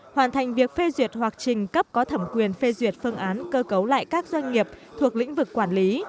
hoàn thành việc phê duyệt hoặc trình cấp có thẩm quyền phê duyệt phương án cơ cấu lại các doanh nghiệp thuộc lĩnh vực quản lý